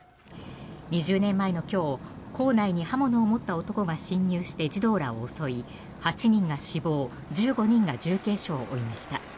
２０年前の今日校内に刃物を持った男が侵入して児童らを襲い８人が死亡１５人が重軽傷を負いました。